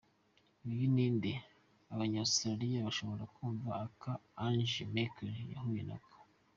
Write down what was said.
"Uyu ni nde? Abanya-Australia bashobora kumva akaga Angela Merkel yahuye nako".